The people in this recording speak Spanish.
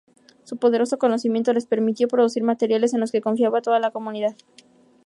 Su poderoso conocimiento les permitió producir materiales en los que confiaba toda la comunidad.